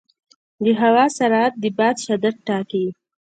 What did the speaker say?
د هوا سرعت د باد شدت ټاکي.